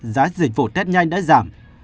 giá dịch vụ test nhanh đã giảm